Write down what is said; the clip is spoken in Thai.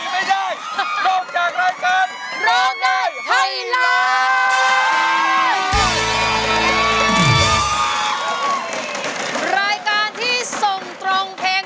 ร้องได้ให้ร้าง